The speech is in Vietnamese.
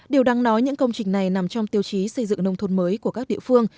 điều đáng nói những công trình này nằm trong tiêu chí xây dựng nông thôn mới của các địa phương